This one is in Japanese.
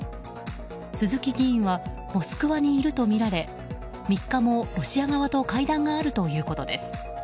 鈴木議員はモスクワにいるとみられ３日もロシア側と会談があるということです。